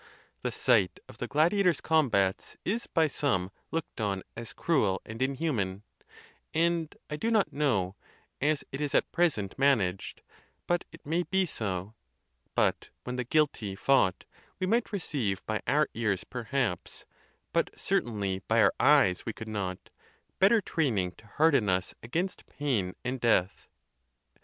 The sight of the gladiators' combats is by some looked on as cruel and inhuman, andI do not know, as it is at present managed, but it may be so; but when the guilty fought, we might receive by our ears perhaps (but certainly by our eyes we could not) better training to harden us against pain and death.